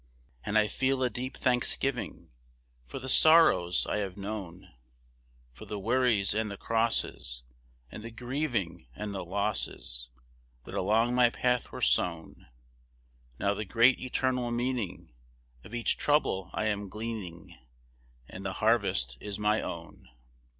And I feel a deep thanksgiving For the sorrows I have known; For the worries and the crosses, And the grieving and the losses, That along my path were sown. Now the great eternal meaning Of each trouble I am gleaning, And the harvest is my own.